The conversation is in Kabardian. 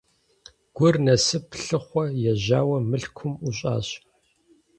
Гур Насып лъыхъуэ ежьауэ Мылъкум ӀущӀащ.